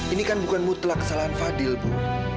ini kan bukan mutlak kesalahan fadil bu